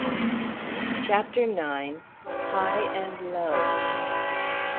] CHAPTER IX. HIGH AND LOW.